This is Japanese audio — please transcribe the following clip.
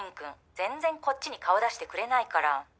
全然こっちに顔出してくれないから」